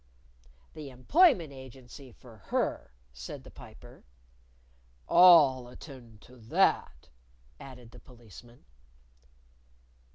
"The Employment Agency for her," said the Piper. "I'll attend to that," added the Policeman.